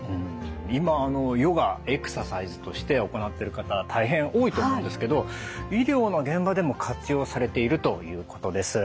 今あのヨガエクササイズとして行ってる方大変多いと思うんですけど医療の現場でも活用されているということです。